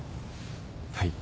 はい。